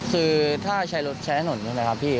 คือถ้าใช้รถใช้ถนนใช่ไหมครับพี่